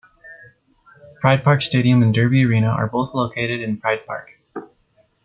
Pride Park Stadium and Derby Arena are both located in Pride Park.